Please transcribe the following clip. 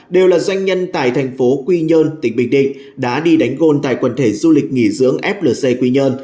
đều là doanh nhân tại thành phố quy nhơn tỉnh bình định đã đi đánh gôn tại quần thể du lịch nghỉ dưỡng flc quy nhơn